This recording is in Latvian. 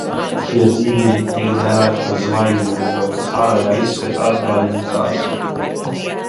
"Šie dzīvnieki tiek dēvēti par "zvaigznēm", jo pēc ārējā izskata atgādina tās."